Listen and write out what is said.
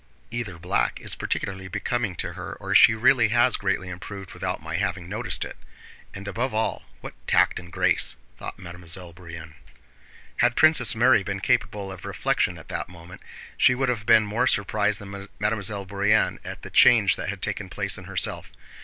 "Either black is particularly becoming to her or she really has greatly improved without my having noticed it. And above all, what tact and grace!" thought Mademoiselle Bourienne. Had Princess Mary been capable of reflection at that moment, she would have been more surprised than Mademoiselle Bourienne at the change that had taken place in herself.